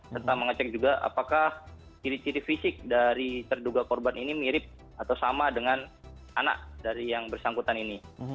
serta mengecek juga apakah ciri ciri fisik dari terduga korban ini mirip atau sama dengan anak dari yang bersangkutan ini